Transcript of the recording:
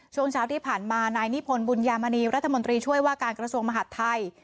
ช่วงเช้าที่ผ่านมานายนิพนธ์บุญญามณีรัฐมนตรีช่วยว่าการกระทรวงมหาดไทย